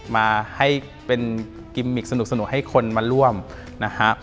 มาให้เป็นกิมมิกสนุกให้คนมาร่วมนะฮะ